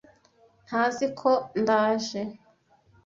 Ntazi ko ndaje.